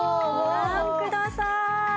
ご覧くださーい！